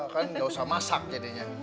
kan nggak usah masak jadinya